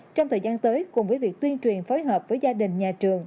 trong thời gian tới cùng với việc tuyên truyền phối hợp với gia đình nhà trường